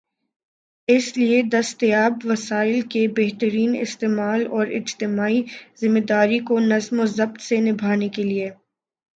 اس لئے دستیاب وسائل کے بہترین استعمال اور اجتماعی ذمہ داری کو نظم و ضبط سے نبھانے کے لئے